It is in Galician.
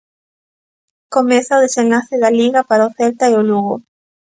Comeza o desenlace da Liga para o Celta e o Lugo.